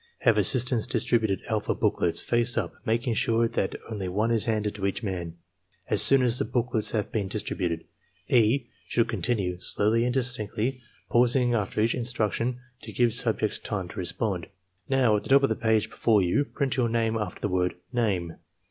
Have assistants distribute alpha booklets, face up, making sure that only one is handed to each man. As soon as the booklets have been distributed E. should continue, slowly and distinctly, pausing after each instruction to give subjects time to respond: "Now, at the top of the page before you, print your name after the word 'Name.'